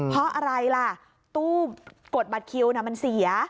เพราะอะไรล่ะตู้กดบัตรคิวมันเสีย